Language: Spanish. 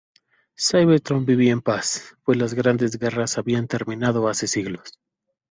Cybertron vivía en paz, pues las grandes guerras habían terminado hace siglos.